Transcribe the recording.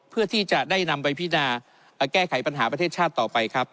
เพื่อที่จะได้นำไปพินาแก้ไขปัญหาประเทศชาติต่อไปครับ